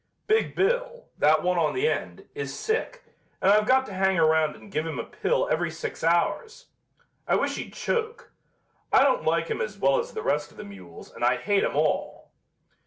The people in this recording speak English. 'Big Bill,' that one on the end, is sick, and I've got to hang around and give him a pill every six hours. I wish he'd choke. I don't like him as well as the rest of the mules and I hate 'em all.